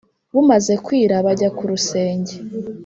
" bumaze kwira bajya ku rusenge;